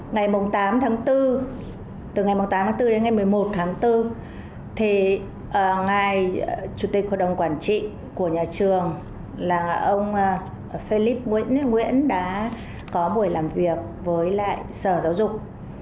ngày tám tháng bốn từ ngày tám tháng bốn đến ngày một mươi một tháng bốn thì ngài chủ tịch hội đồng quản trị của nhà trường là ông philip nguyễn đã có buổi làm việc với lại sở giáo dục